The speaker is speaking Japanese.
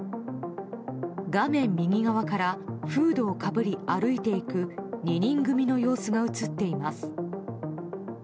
画面右側からフードをかぶり歩いていく２人組の様子が映っています。